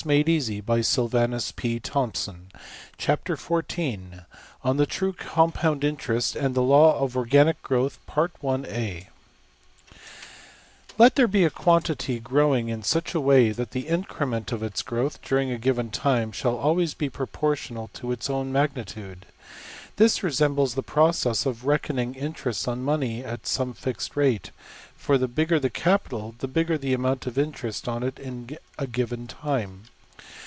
png}% \Chapter[ON TRUE COMPOUND INTEREST] {XIV}{On true Compound Interest and the Law of Organic Growth} \First{Let} there be a quantity growing in such a way that the increment of its growth, during a given time, shall always be proportional to its own magnitude. This resembles the process of reckoning interest on money at some fixed rate; for the bigger the capital, the bigger the amount of interest on it in a given time.